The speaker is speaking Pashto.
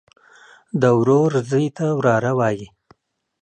د ورور زوى ته وراره وايي.